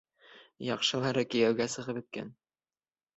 Яҡшылары кейәүгә сығып бөткән.